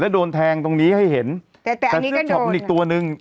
แล้วโดนแทงตรงนี้ให้เห็นแต่แต่อันนี้ก็โดนอีกตัวนึง